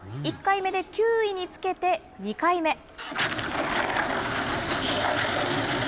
１回目で９位につけて２回目。